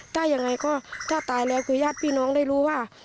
ถ้ายังไงก็ถ้าตายแล้วคือญาติพี่น้องได้รู้ว่า